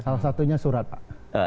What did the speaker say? salah satunya surat pak